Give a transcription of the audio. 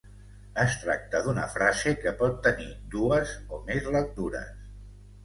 Es tracta d'una frase que pot tenir dues, o més, lectures.